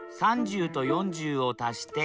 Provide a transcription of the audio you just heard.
３０と４０を足して７０。